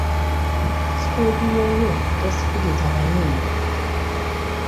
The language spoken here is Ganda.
Situdiyo ye tesikiriza bayimbi.